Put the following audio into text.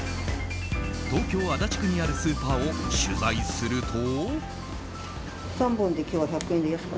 東京・足立区にあるスーパーを取材すると。